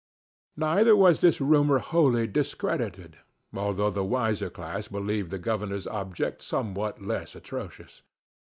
Neither was this rumor wholly discredited; although the wiser class believed the governor's object somewhat less atrocious.